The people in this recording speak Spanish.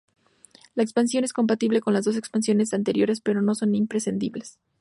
La expansión es compatible con las dos expansiones anteriores, pero no son imprescindibles.